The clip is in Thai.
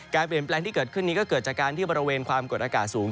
เปลี่ยนแปลงที่เกิดขึ้นนี้ก็เกิดจากการที่บริเวณความกดอากาศสูง